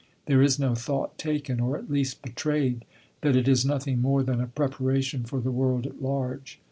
There is no thought taken, or at least betrayed, that it is nothing more than a preparation for the world at large.